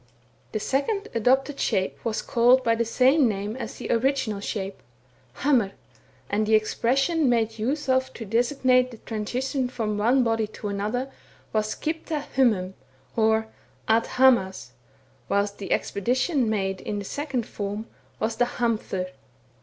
The second adopted shape was called by the same name as the original shape, hamr, and the expression made use of to designate the transition from one body to another, was at slcipta hbmum, or at hamaz ; whilst the expedition made in the second form, was the hamfor.